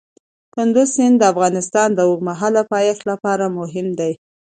کندز سیند د افغانستان د اوږدمهاله پایښت لپاره مهم دی.